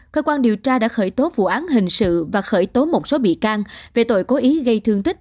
cơ quan điều tra đã khởi tố vụ án hình sự và khởi tố một số bị can về tội cố ý gây thương tích